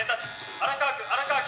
荒川区荒川９